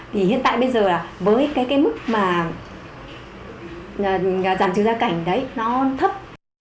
thì hiện tại bây giờ là với cái mức mà giảm trừ gia cảnh đấy nó thấp